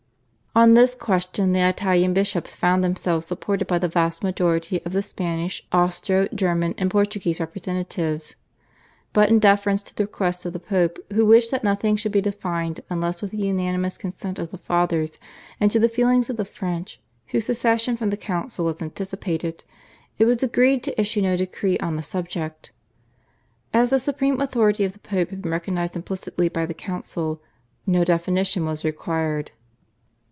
On this question the Italian bishops found themselves supported by the vast majority of the Spanish, Austro German and Portuguese representatives; but in deference to the request of the Pope, who wished that nothing should be defined unless with the unanimous consent of the Fathers, and to the feelings of the French, whose secession from the council was anticipated, it was agreed to issue no decree on the subject. As the supreme authority of the Pope had been recognised implicitly by the council no definition was required.